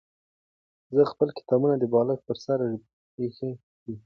زه خپل کتاب د بالښت پر سر ایښی دی.